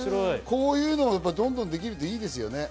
こういうのがどんどんできるといいですね。